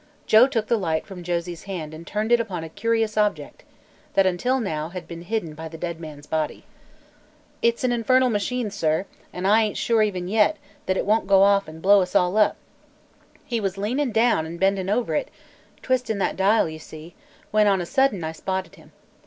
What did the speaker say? Joe took the light from Josie's hand and turned it upon a curious object that until now had been hidden by the dead man's body. "It's a infernal machine, sir, an' I ain't sure, even yet, that it won't go off an' blow us all up. He was leanin' down an' bendin' over it, twisting that dial you see, when on a sudden I spotted him.